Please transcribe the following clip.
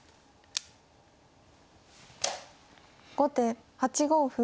後手８五歩。